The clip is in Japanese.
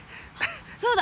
そうだ！